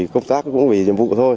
công tác cũng vì nhiệm vụ